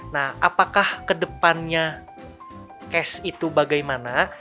nah apakah kedepannya cash itu bagaimana